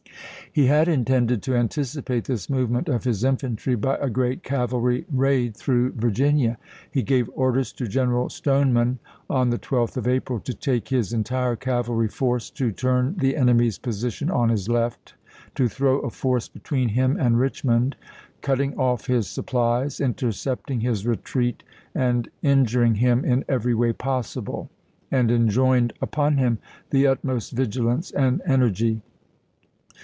He had intended to anticipate this movement of his infantry by a great cavalry raid through Vir ginia. He gave orders to General Stoneman on the 1863. 12th of April to take his entire cavalry force to turn the enemy's position on his left, to throw a force between him and Richmond, cutting off his supplies, intercepting his retreat, and injuring him in every way possible ; and enjoined upon him the April 12, utmost vigilance and energy.